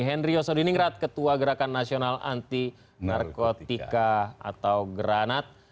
henry yosodiningrat ketua gerakan nasional anti narkotika atau granat